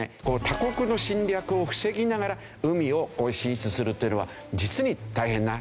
他国の侵略を防ぎながら海を進出するというのは実に大変な。